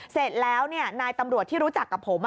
เสร็จแล้วนายตำรวจที่รู้จักกับผม